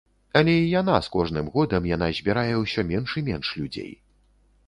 Але і яна з кожным годам яна збірае ўсё менш і менш людзей.